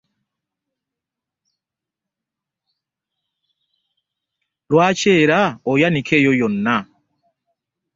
Lwaki era oyanika eyo yonna?